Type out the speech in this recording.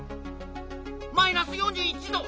マイナス４１度！